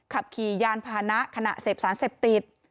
ขับขี่ยานพานะขณะเสพสารเสพติด